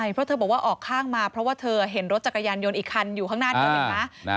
เพราะเธอบอกว่าออกข้างมาเพราะว่าเธอเห็นรถจักรยานยนต์อีกคันอยู่ข้างหน้าเธอเห็นไหม